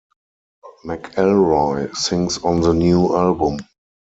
McElroy sings on the new album.